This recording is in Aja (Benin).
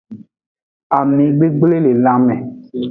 Ami gbegble le lanme.